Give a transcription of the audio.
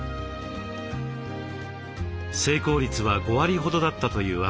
成功率は５割ほどだったというあんどうさん。